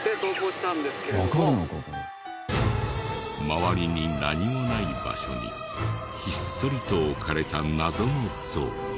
周りに何もない場所にひっそりと置かれた謎の像。